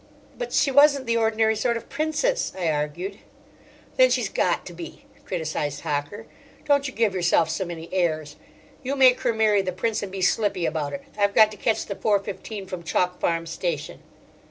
"But she wasn't the ordinary sort of Princess," I argued. "Then she's got to be," criticised Hocker. "Don't you give yourself so many airs. You make her marry the Prince, and be slippy about it. I've got to catch the four fifteen from Chalk Farm station."